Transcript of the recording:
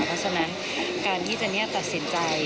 เพราะฉะนั้นการที่เจนี่ตัดสินใจ